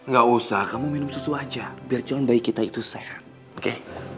gak usah kamu minum susu aja biar jangan bayi kita itu sehat oke